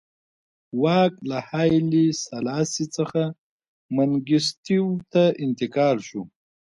واک له هایلي سلاسي څخه منګیسټیو ته انتقال شو.